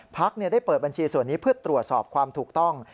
ได้เปิดบัญชีส่วนนี้เพื่อตรวจสอบความถูกต้อง